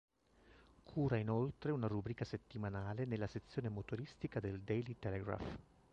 Cura inoltre una rubrica settimanale nella sezione motoristica del "Daily Telegraph".